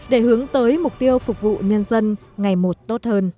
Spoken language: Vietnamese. để hướng tới mục tiêu phục vụ nhân dân ngày một tốt hơn